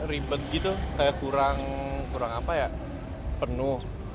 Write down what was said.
ribet gitu kayak kurang apa ya penuh